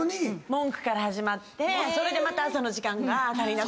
文句から始まってそれでまた朝の時間が足りなくなって。